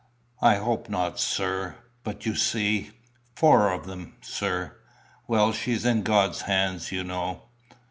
"I hope not, sir; but you see four on 'em, sir!" "Well, she's in God's hands, you know."